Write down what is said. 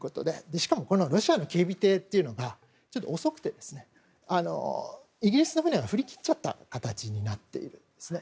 しかもロシアの警備艇が遅くてイギリスの船が振り切っちゃった形になっているんですね。